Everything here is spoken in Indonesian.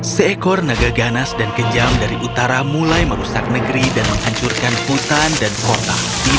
seekor naga ganas dan kejam dari utara mulai merusak negeri dan menghancurkan hutan dan kota